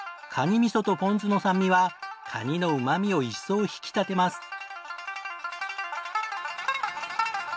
カニみそとポン酢の酸味はカニのうまみを一層引き立てます。